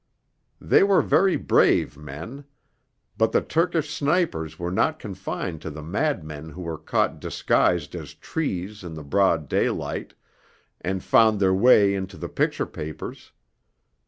They were very brave men. But the Turkish snipers were not confined to the madmen who were caught disguised as trees in the broad daylight and found their way into the picture papers.